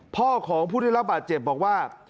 พ่อของผู้ได้รับบาดเจ็บบอกว่า